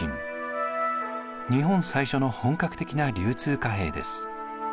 日本最初の本格的な流通貨幣です。